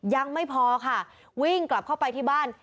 ยังไม่พอค่ะวิ่งกลับเข้าไปที่บ้าน